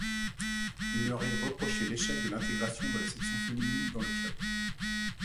Il leur est reproché l'échec de l'intégration de la section féminine dans le club.